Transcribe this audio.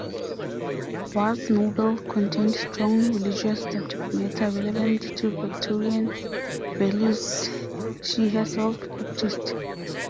Ward's novels contained strong religious subject matter relevant to Victorian values she herself practised.